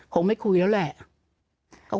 คงไม่คุยแล้วแหละ